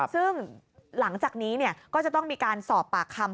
ซึ่งหลังจากนี้ก็จะต้องมีการสอบปากคำ